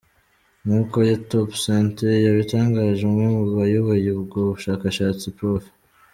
Nk’uko topsante yabitangaje, umwe mu bayoboye ubwo bushakashatsi Prof.